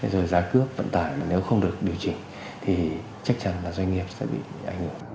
rồi giá cước vận tải nếu không được điều chỉnh thì chắc chắn là doanh nghiệp sẽ bị ảnh hưởng